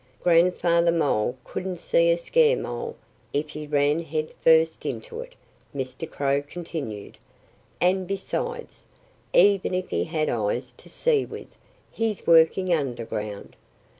"Grandfather Mole couldn't see a scaremole if he ran head first into it," Mr. Crow continued. "And besides, even if he had eyes to see with, he's working underground.